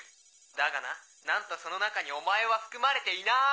だがななんとその中にお前は含まれていない！